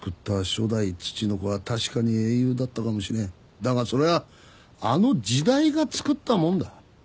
だがそれはあの時代がつくったもんだ。